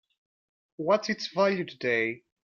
What's its value today?